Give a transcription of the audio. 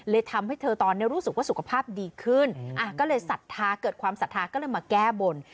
ทำให้เธอตอนนี้รู้สึกว่าสุขภาพดีขึ้นก็เลยศรัทธาเกิดความศรัทธาก็เลยมาแก้บน